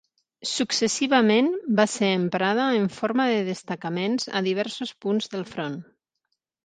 Successivament va ser emprada en forma de destacaments a diversos punts del front.